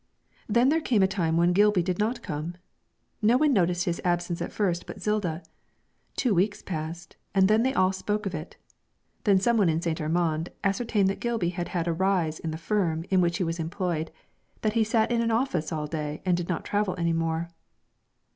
Then there came a time when Gilby did not come. No one noticed his absence at first but Zilda. Two weeks passed and then they all spoke of it. Then some one in St. Armand ascertained that Gilby had had a rise in the firm in which he was employed, that he sat in an office all day and did not travel any more.